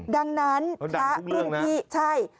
ดังนั้นพระรุ่นที่ใช่